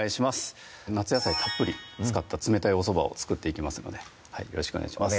夏野菜たっぷり使った冷たいおそばを作っていきますのでよろしくお願いします